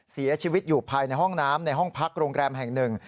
เสียชีวิตอยู่ภายในห้องน้ำในห้องพักโรงแรมแห่งหนึ่ง